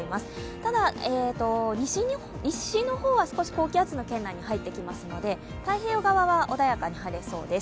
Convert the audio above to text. ただ、西の方は少し高気圧の圏内に入ってきますので、太平洋側は穏やかに晴れそうです。